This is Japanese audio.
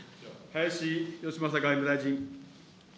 林芳正外務大臣。